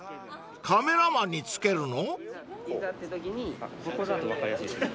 カメラマンにつけるの？］